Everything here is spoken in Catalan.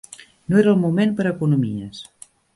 No era el moment per a economies